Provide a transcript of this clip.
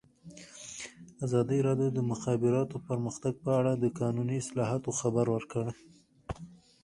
ازادي راډیو د د مخابراتو پرمختګ په اړه د قانوني اصلاحاتو خبر ورکړی.